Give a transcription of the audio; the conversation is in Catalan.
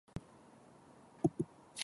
En què s'ha convertit?